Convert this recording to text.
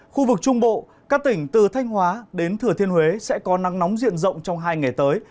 khu vực trung bộ các tỉnh từ thanh hóa đến thừa thiên huế sẽ có nắng nóng diện rộng trong hai ngày tới